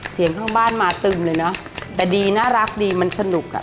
ข้างบ้านมาตึมเลยเนอะแต่ดีน่ารักดีมันสนุกอ่ะ